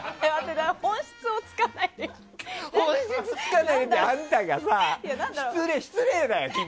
本質突かないでってあんたがさ失礼だよ、君。